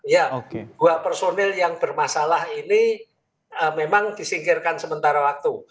ya dua personil yang bermasalah ini memang disingkirkan sementara waktu